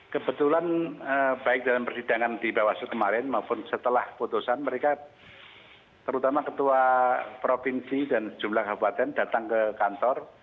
kebetulan baik dalam persidangan di bawaslu kemarin maupun setelah putusan mereka terutama ketua provinsi dan jumlah kabupaten datang ke kantor